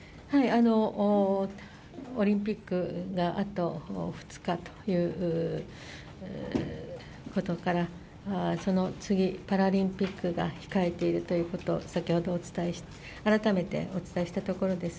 オリンピックがあと２日ということから、その次、パラリンピックが控えているということ、先ほど改めてお伝えしたところです。